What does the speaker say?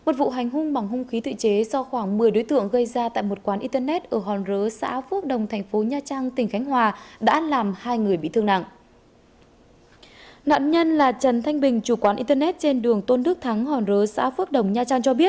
các bạn hãy đăng ký kênh để ủng hộ kênh của chúng mình nhé